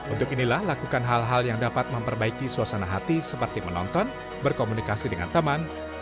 untuk inilah lakukan hal hal yang dapat memperbaiki suasana hati seperti menonton berkomunikasi dengan teman